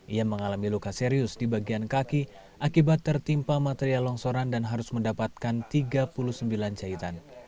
ia mengalami luka serius di bagian kaki akibat tertimpa material longsoran dan harus mendapatkan tiga puluh sembilan jahitan